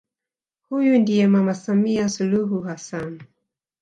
Huyu ndiye mama Samia Suluhu Hassan